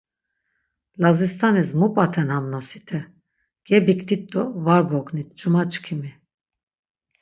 Lazist̆anis mu p̌aten ham nosite? Gebiktit do var bognit, cuma çkimi.